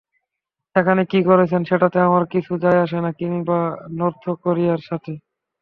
এখানে কী করছেন সেটাতে আমার কিছু যায়-আসে না, কিংবা নর্থ কোরিয়ার সাথে।